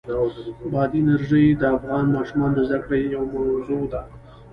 بادي انرژي د افغان ماشومانو د زده کړې یوه موضوع ده.